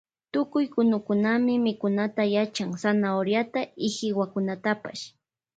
Tukuy kunukunami mikunata yachan zanahoriata y hiwakunatapash.